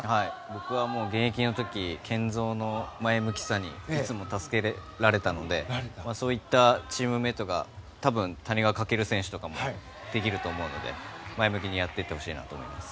僕は現役の時健三の前向きさにいつも助けられたのでそういったことは多分、谷川翔選手とかもできると思うので前向きにやっていってほしいなと思います。